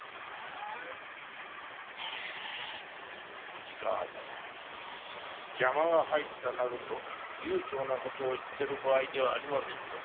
市川様邪魔が入ったなどと悠長なことを言ってる場合ではありませんぞ。